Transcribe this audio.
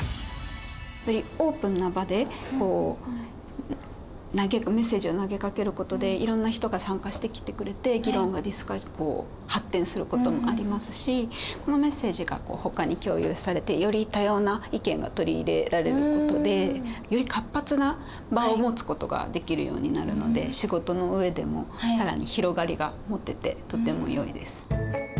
よりオープンな場でメッセージを投げかけることでいろんな人が参加してきてくれて議論が発展することもありますしこのメッセージがほかに共有されてより多様な意見が取り入れられることでより活発な場を持つことができるようになるので仕事のうえでも更に広がりが持ててとてもよいです。